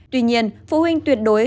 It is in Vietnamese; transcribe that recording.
tuy nhiên phụ huynh tuyệt đối